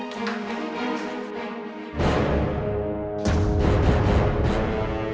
kau ini kan anak arum dalu